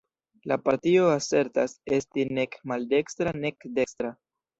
La partio asertas esti nek maldekstra nek dekstra.